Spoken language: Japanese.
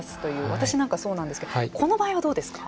私なんかそうなんですけどこの場合はどうですか？